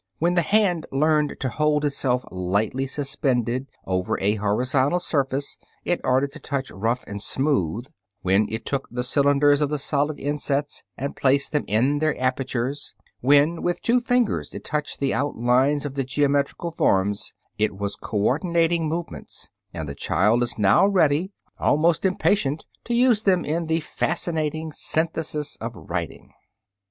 When the hand learned to hold itself lightly suspended over a horizontal surface in order to touch rough and smooth, when it took the cylinders of the solid insets and placed them in their apertures, when with two fingers it touched the outlines of the geometrical forms, it was coordinating movements, and the child is now ready almost impatient to use them in the fascinating "synthesis" of writing.